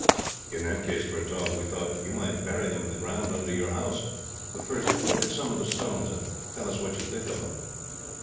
"In that case, Pertaub, we thought you might bury them in the ground under your house. But first, look at some of the stones, and tell us what you think of them."